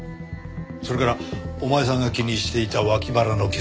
それからお前さんが気にしていた脇腹の傷